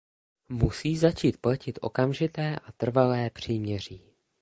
Musí začít platit okamžité a trvalé příměří.